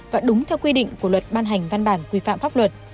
và đúng theo quy định của luật ban hành văn bản quy phạm pháp luật